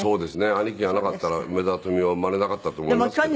兄貴がいなかったら梅沢富美男は生まれなかったと思いますけど。